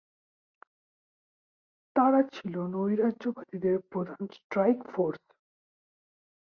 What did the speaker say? তারা ছিল নৈরাজ্যবাদীদের প্রধান স্ট্রাইক ফোর্স।